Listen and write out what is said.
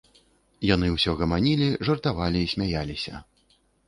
Яны ўсё гаманілі, жартавалі і смяяліся.